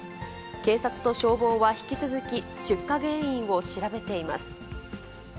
警察と消防は引き続き出火原因を調べています。